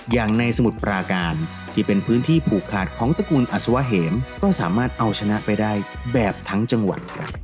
อย่างในสมุทรปราการที่เป็นพื้นที่ผูกขาดของตระกูลอัศวะเหมก็สามารถเอาชนะไปได้แบบทั้งจังหวัดครับ